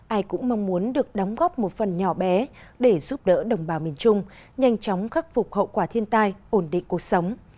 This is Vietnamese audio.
ai cũng mong muốn được đóng góp một phần nhỏ bé để giúp đỡ đồng bào miền trung nhanh chóng khắc phục hậu quả thiên tai ổn định cuộc sống